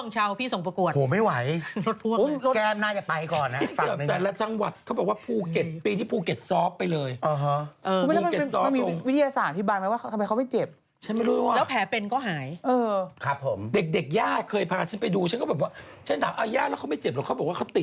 ฉันไม่เห็นเลยอ่ะดูข่าวที่ไหนคุณดูหุ่นคุณดูกันแทรกน่ะ